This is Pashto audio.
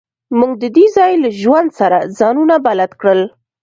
موږ د دې ځای له ژوند سره ځانونه بلد کړل